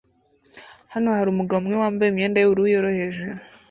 Hano harumugabo umwe wambaye imyenda yubururu yoroheje